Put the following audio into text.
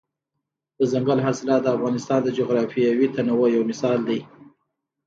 دځنګل حاصلات د افغانستان د جغرافیوي تنوع یو مثال دی.